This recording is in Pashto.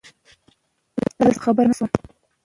زه ستا په خبره پوهه نه شوم